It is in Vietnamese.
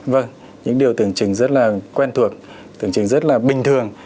vâng những điều tưởng chính rất là quen thuộc tưởng chừng rất là bình thường